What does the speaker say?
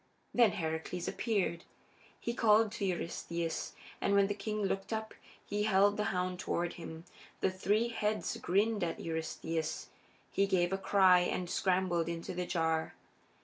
Then Heracles appeared. He called to Eurystheus, and when the king looked up he held the hound toward him. The three heads grinned at Eurystheus; he gave a cry and scrambled into the jar.